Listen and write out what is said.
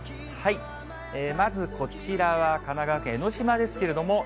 まず、こちらは神奈川県、江の島ですけれども。